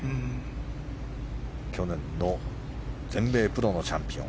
去年の全米プロのチャンピオン。